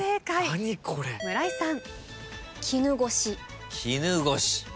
村井さん。